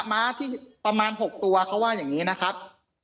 ม้าที่ประมาณ๖ตัวเขาว่าอย่างนี้นะครับ